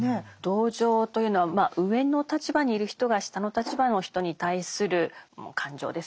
同情というのは上の立場にいる人が下の立場の人に対する感情ですよね。